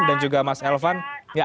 dan juga mas elvan